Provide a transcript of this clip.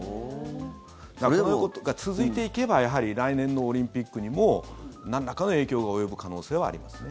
こういうことが続いていけばやはり来年のオリンピックにもなんらかの影響が及ぶ可能性はありますね。